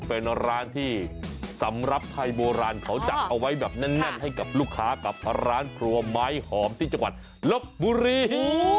เป็นร้านที่สำหรับไทยโบราณเขาจัดเอาไว้แบบแน่นให้กับลูกค้ากับร้านครัวไม้หอมที่จังหวัดลบบุรี